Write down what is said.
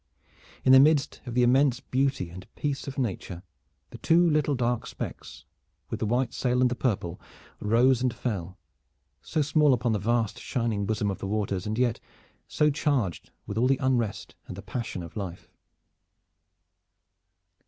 In the midst of the immense beauty and peace of nature the two little dark specks with the white sail and the purple rose and fell, so small upon the vast shining bosom of the waters, and yet so charged with all the unrest and the passion of life.